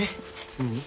ううん。